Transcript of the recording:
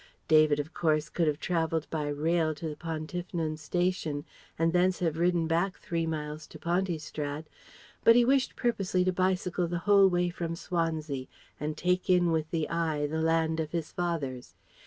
David of course could have travelled by rail to the Pontyffynon station and thence have ridden back three miles to Pontystrad. But he wished purposely to bicycle the whole way from Swansea and take in with the eye the land of his fathers.